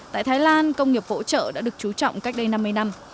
tại thái lan công nghiệp hỗ trợ đã được chú trọng cách đây năm mươi năm